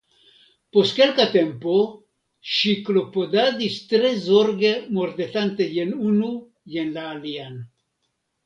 Post kelka tempo, ŝi klopodadis tre zorge, mordetante jen unu jen la alian.